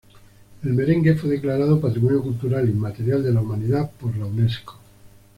El merengue fue declarado Patrimonio Cultural Inmaterial de la Humanidad por la Unesco.